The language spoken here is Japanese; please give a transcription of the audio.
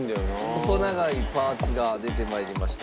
細長いパーツが出て参りました。